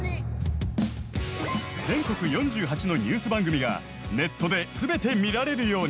全国４８のニュース番組がネットですべて見られるように。